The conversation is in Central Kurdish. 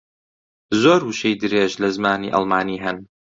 زۆر وشەی درێژ لە زمانی ئەڵمانی ھەن.